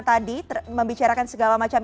tadi membicarakan segala macam